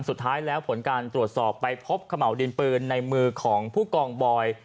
สุดท้ายแล้วผลการตรวจสอบไปพบขม่าวดินปืนในมือของผู้กองบอย